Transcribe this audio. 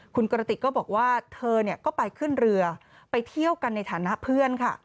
คุณกระติกก็บอกว่าเธอก็ไปขึ้นเรือไปเที่ยวกันในฐานะเพื่อนค่ะ